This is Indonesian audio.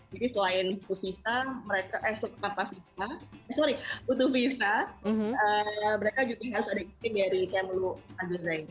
jadi selain putu fisa mereka juga harus ada izin dari kmlu al jazeera